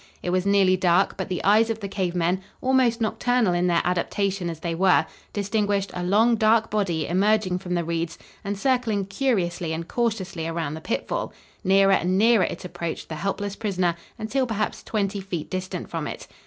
It was nearly dark, but the eyes of the cave men, almost nocturnal in their adaptation as they were, distinguished a long, dark body emerging from the reeds and circling curiously and cautiously around the pitfall; nearer and nearer it approached the helpless prisoner until perhaps twenty feet distant from it.